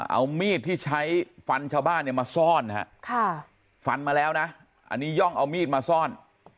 เอามีดที่ใช้ฟันชาวบ้านเนี่ยมาซ่อนฮะฟันมาแล้วนะอันนี้ย่องเอามีดมาซ่อน